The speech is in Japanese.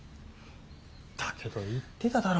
だけど言ってただろ？